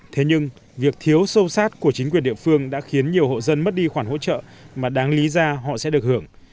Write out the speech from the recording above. thế nhưng việc thiếu sâu sát của chính quyền địa phương đã khiến nhiều hộ dân mất đi khoản hỗ trợ mà đáng lý ra họ sẽ được hưởng